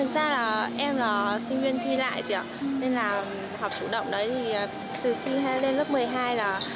thật ra là em là sinh viên thi lại nên là học chủ động đấy thì từ khi lên lớp một mươi hai là